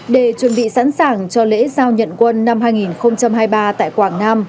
để chuẩn bị sẵn sàng cho lễ giao nhận quân năm hai nghìn hai mươi ba tại quảng nam